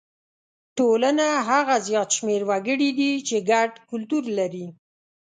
ټولنه هغه زیات شمېر وګړي دي چې ګډ کلتور لري.